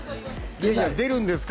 出るんですか？